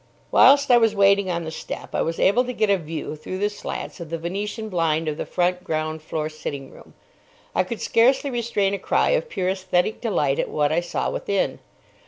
Whilst I was waiting on the step, I was able to get a view through the slats of the Venetian blind of the front ground floor sitting room. I could scarcely restrain a cry of pure aesthetic delight at what I saw within.